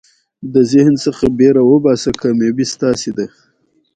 د ذهن څخه بېره وباسئ، کامیابي ستاسي ده.